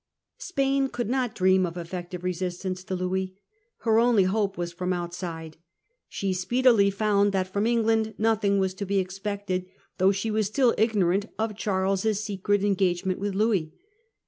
Spain could not dream of effective resistance to Louis. Her only hope was from outside. She speedily found that from England nothing was to be expected, though 1 668. De Gremonville at Vienna . 145 she was still ignorant of Charles's secret engagement with Louis.